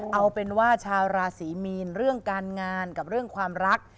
เอาเป็นว่าชาวราศีมีนเรื่องการงานกับเรื่องความรัก